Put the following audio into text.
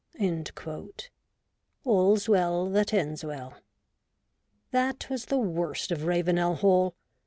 — AU*s Well thai Ends Well. That was the worst of Ravenel Hall.